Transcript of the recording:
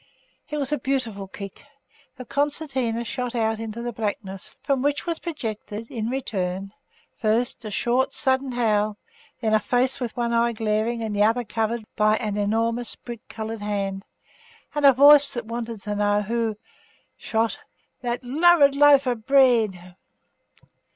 It was a beautiful kick, the concertina shot out into the blackness, from which was projected, in return, first a short, sudden howl, then a face with one eye glaring and the other covered by an enormous brick coloured hand, and a voice that wanted to know who shot 'that lurid loaf of bread?